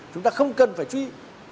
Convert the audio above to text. chúng ta không cần phải truy